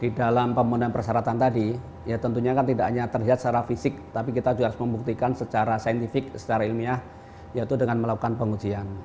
di dalam pembunuhan persyaratan tadi ya tentunya kan tidak hanya terlihat secara fisik tapi kita juga harus membuktikan secara saintifik secara ilmiah yaitu dengan melakukan pengujian